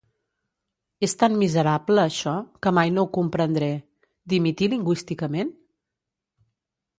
És tan miserable, això, que mai no ho comprendré. Dimitir lingüísticament?